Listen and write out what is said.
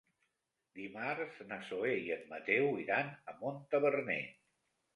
Dimarts na Zoè i en Mateu iran a Montaverner.